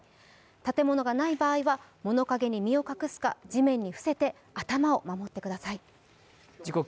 建物がない場合は、物陰に身を隠すか地面に伏せて頭を守ってください。